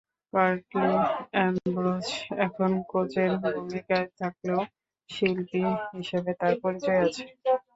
Curtly Ambrose এখন কোচের ভূমিকায় থাকলেও শিল্পী হিসেবে তাঁর পরিচয় আছে।